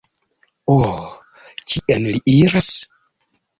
Uh... kien li iras?